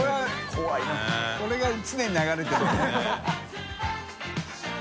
櫃い福これが常に流れてるのね。